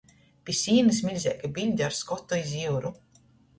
Pi sīnys miļzeiga biļde ar skotu iz jiuru.